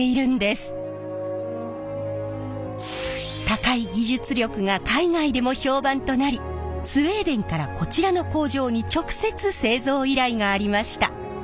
高い技術力が海外でも評判となりスウェーデンからこちらの工場に直接製造依頼がありました。